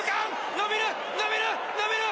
伸びる！